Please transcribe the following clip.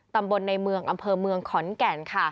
ตำบลในเมืองอำเภอเมืองขอนแก่น